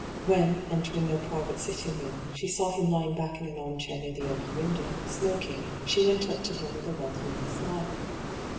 When, entering their private sitting room, she saw him lying back in an armchair near the open window, smoking, she went op to him with a welcoming smile.